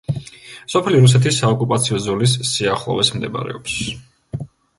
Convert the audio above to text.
სოფელი რუსეთის საოკუპაციო ზოლის სიახლოვეს მდებარეობს.